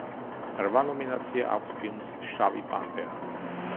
რვა ნომინაცია აქვს ფილმს „შავი პანტერა“.